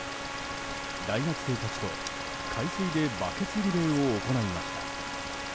大学生たちと海水でバケツリレーを行いました。